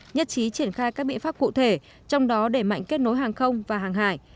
nhất trí triển khai các biện pháp cụ thể trong đó để mạnh kết nối hàng không và hàng hải